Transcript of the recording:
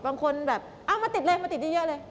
บางคนแบบเอามาติดเลยมาติดเยอะเลย